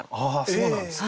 そうなんですか。